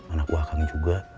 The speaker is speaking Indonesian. anak kuahkan juga